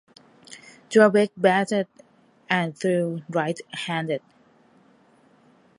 Drabek batted and threw right-handed.